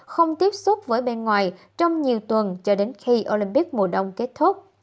không tiếp xúc với bên ngoài trong nhiều tuần cho đến khi olympic mùa đông kết thúc